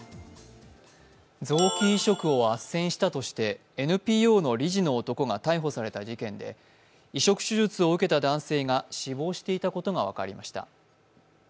臓器移植をあっせんしたとしてＮＰＯの理事の男が逮捕された事件で移植手術を受けた男性が死亡していたことが分かりました。